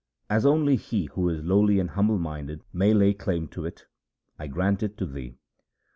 As only he who is lowly and humble minded may lay claim to it, I grant it to thee.'